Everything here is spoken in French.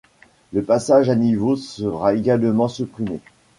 Le passage à niveau sera également supprimé.